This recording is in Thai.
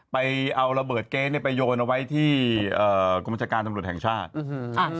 ไปเอาระเบิดเก๊เนี่ยไปโยนเอาไว้ที่เอ่อกรมชาการตำรวจแห่งชาติ